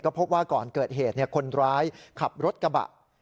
พบว่าก่อนเกิดเหตุคนร้ายขับรถกระบะ